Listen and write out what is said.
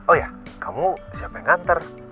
oh ya kamu siapa yang nganter